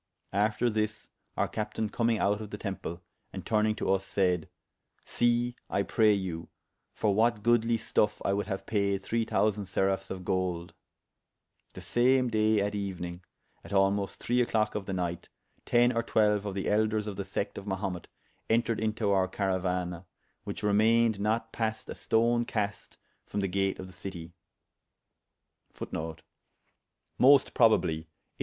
After this our captayne commyng out of the temple, and turnyng to vs, sayd, See (I pray you) for what goodly stuffe I would haue paide three thousande seraphes of golde. The same daye at euenyng, at almost three a clock of the nyght, ten or twelue of the elders of the secte of Mahumet entered into our carauana, which remayned not paste a stone caste from the gate of the citie.